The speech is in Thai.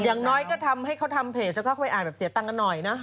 อย่างน้อยก็ทำให้เขาทำเพจแล้วก็ค่อยอ่านแบบเสียตังค์กันหน่อยนะ